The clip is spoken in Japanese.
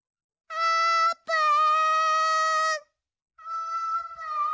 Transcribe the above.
あーぷん！